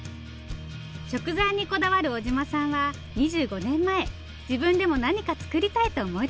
食材にこだわる尾島さんは２５年前自分でも何か作りたいと思い立ちます。